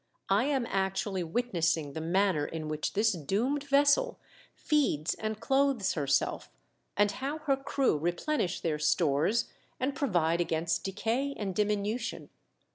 I am actually witnessing the manner in which this doomed vessel feeds and clothes herself, and how her crew replenish their stores and provide against THE DUTCH SAILORS BOARD THE WRECK. 303 decay and diminution.